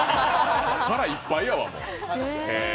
腹いっぱいやわ、もう。